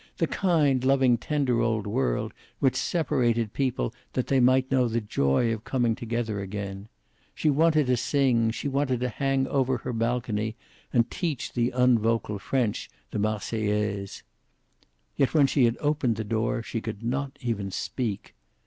The kind, loving, tender old world, which separated people that they might know the joy of coming together again. She wanted to sing, she wanted to hang over her balcony and teach the un vocal French the "Marseillaise." Yet, when she had opened the door, she could not even speak.